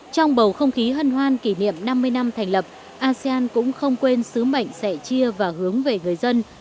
trong bầu không khí hân hoan kỷ niệm năm mươi năm thành lập asean cũng không quên sứ mệnh dạy chia và hướng về người dân